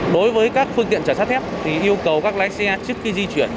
đối với các phương tiện trở sát thép thì yêu cầu các lái xe trước khi di chuyển